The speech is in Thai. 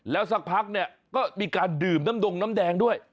แล้วสักพักเนี่ยก็มีการดื่มน้ำดงน้ำแดงด้วย